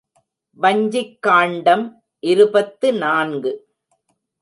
வஞ்சிக் காண்டம் இருபத்து நான்கு.